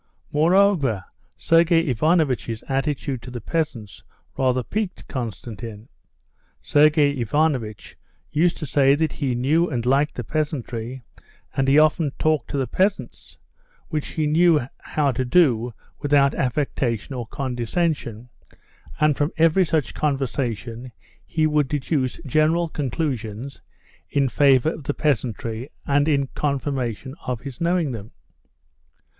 Moreover, Sergey Ivanovitch's attitude to the peasants rather piqued Konstantin. Sergey Ivanovitch used to say that he knew and liked the peasantry, and he often talked to the peasants, which he knew how to do without affectation or condescension, and from every such conversation he would deduce general conclusions in favor of the peasantry and in confirmation of his knowing them.